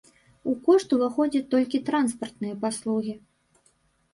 У кошт уваходзяць толькі транспартныя паслугі.